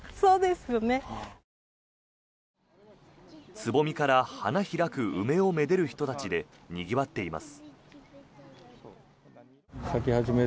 つぼみから花開く梅をめでる人たちでにぎわっています。